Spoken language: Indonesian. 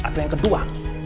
atau yang kedua